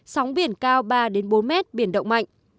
sóng biển cao ba đến bốn m biển động mạnh